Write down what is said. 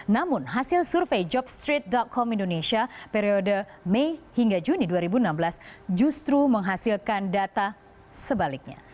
namun hasil survei jobstreet com indonesia periode mei hingga juni dua ribu enam belas justru menghasilkan data sebaliknya